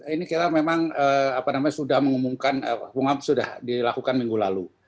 ini kita memang sudah mengumumkan sudah dilakukan minggu lalu